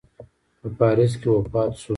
په پاریس کې وفات سو.